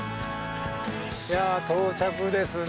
いや到着ですね。